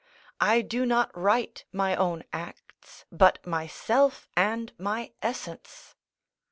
I do not write my own acts, but myself and my essence.